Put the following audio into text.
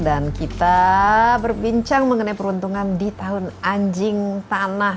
kita berbincang mengenai peruntungan di tahun anjing tanah